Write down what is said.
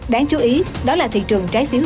đáng chú ý đó là thị trường trái phiếu